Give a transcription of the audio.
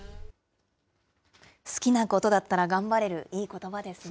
好きなことだったら頑張れる、いいことばですね。